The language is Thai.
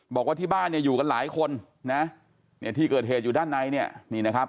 บอกว่าที่บ้านเนี่ยอยู่กันหลายคนนะเนี่ยที่เกิดเหตุอยู่ด้านในเนี่ยนี่นะครับ